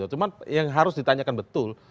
cuma yang harus ditanyakan betul